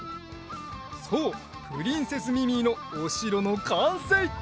そうプリンセス・ミミィのおしろのかんせい！